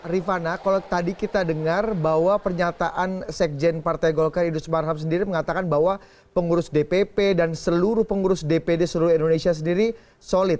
rifana kalau tadi kita dengar bahwa pernyataan sekjen partai golkar idrus marham sendiri mengatakan bahwa pengurus dpp dan seluruh pengurus dpd seluruh indonesia sendiri solid